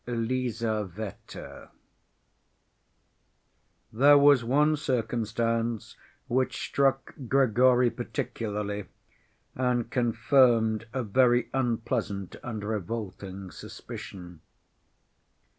Lizaveta There was one circumstance which struck Grigory particularly, and confirmed a very unpleasant and revolting suspicion.